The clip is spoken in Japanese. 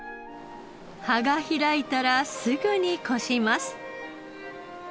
葉が開いたらすぐにこします。